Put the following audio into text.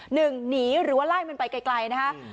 หนีหรือว่าไล่มันไปไกลนะคะ